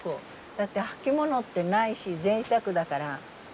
だって履き物ってないしぜいたくだから。